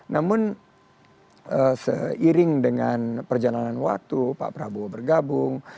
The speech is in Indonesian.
namun seiring dengan perjalanan waktu pak prabowo bergabung